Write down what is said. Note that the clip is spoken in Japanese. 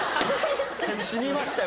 死にましたよ